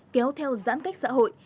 nhau theo giãn cách xã hội